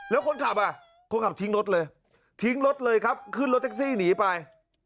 แล้วคนขับอ่ะคนขับทิ้งรถเลยทิ้งรถเลยครับขึ้นรถแท็กซี่หนีไป